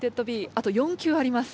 あと４球あります。